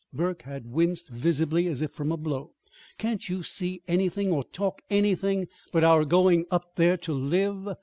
Burke had winced visibly, as if from a blow. "Can't you see anything, or talk anything, but our going up there to live?